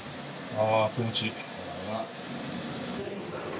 あ気持ちいい。